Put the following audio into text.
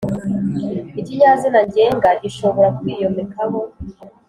ikinyazina ngenga gishobora kwiyomekaho